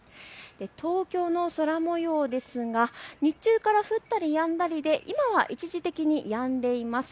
東京の空もようですが日中から降ったりやんだりで今は一時的にやんでいます。